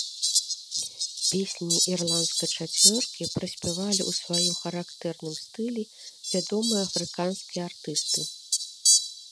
Песні ірландскай чацвёркі пераспявалі ў сваім характэрным стылі вядомыя афрыканскія артысты.